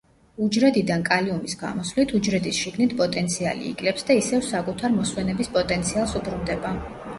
უჯრედიდან კალიუმის გამოსვლით, უჯრედის შიგნით პოტენციალი იკლებს და ისევ საკუთარ მოსვენების პოტენციალს უბრუნდება.